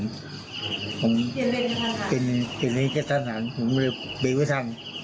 ชัวร์นี้ก็จะถ้านานผมบียงไว้ทั้ง